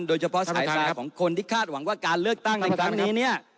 โดยเฉพาะสายตาของคนที่คาดหวังว่าการเลือกตั้งในครั้งนี้เนี่ย